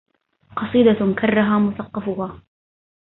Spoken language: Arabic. قصيدة كرها مثقفها